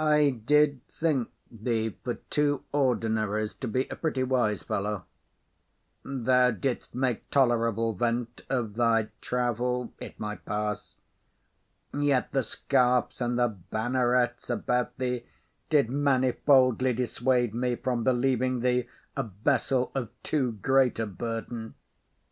I did think thee, for two ordinaries, to be a pretty wise fellow; thou didst make tolerable vent of thy travel; it might pass. Yet the scarfs and the bannerets about thee did manifoldly dissuade me from believing thee a vessel of too great a burden.